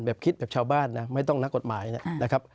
แบบคิดแบบชาวบ้านนะไม่ต้องนักกฎหมายนะครับ